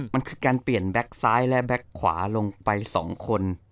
มันคือการเปลี่ยนแบ็คซ้ายและแก๊กขวาลงไป๒คน